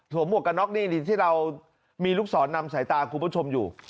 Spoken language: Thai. หมวกกันน็อกนี่ที่เรามีลูกศรนำสายตาคุณผู้ชมอยู่